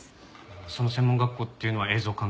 その専門学校っていうのは映像関係の？